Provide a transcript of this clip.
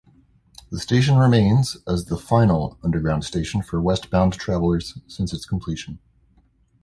The station remains as the final underground station for westbound travelers since its completion.